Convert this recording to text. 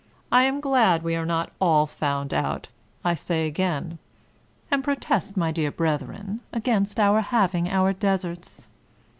I am glad we are not all found out, I say again ; and protest, my dear brethren, against our hav ing our deserts.